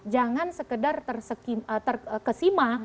jangan sekedar terkesima